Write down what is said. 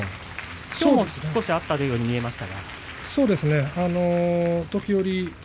きょうも少しあったように見えました。